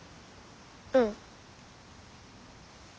うん。